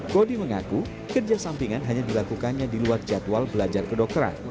kodi mengaku kerja sampingan hanya dilakukannya di luar jadwal belajar kedokteran